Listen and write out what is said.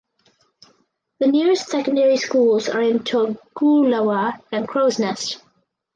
The nearest secondary schools are in Toogoolawah and Crows Nest.